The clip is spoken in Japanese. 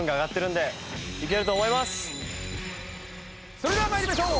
それでは参りましょう。